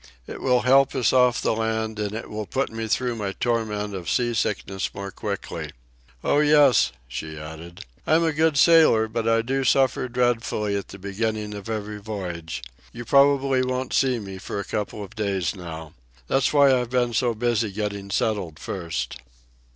It will help us off the land, and it will put me through my torment of sea sickness more quickly. Oh, yes," she added, "I'm a good sailor, but I do suffer dreadfully at the beginning of every voyage. You probably won't see me for a couple of days now. That's why I've been so busy getting settled first."